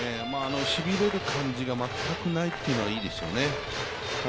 しびれる感じが全くないというのがいいですよね。